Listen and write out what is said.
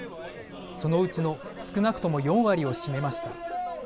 そのうちの少なくとも４割を占めました。